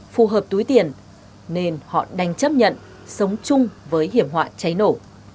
phù hợp túi tiền nên họ đành chấp nhận sống chung với hiểm họa cháy nổ